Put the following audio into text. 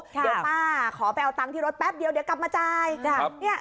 เดี๋ยวป้าขอไปเอาตังค์ที่รถแป๊บเดียวเดี๋ยวกลับมาจ่าย